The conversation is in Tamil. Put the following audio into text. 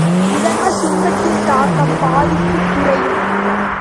இதனால் துன்பத்தின் தாக்கம் பாதிப்புக் குறையும்!